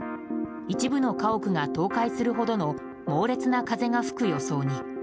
一部の家屋が倒壊するほどの猛烈な風が吹く予想に。